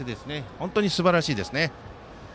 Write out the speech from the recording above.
本当にすばらしいですね。